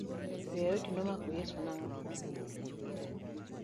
Joyaudi nomako Yeso nang'o?